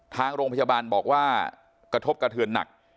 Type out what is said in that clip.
ทางโรงพยาบาลบอกว่ากระทบกระเทือนหนัก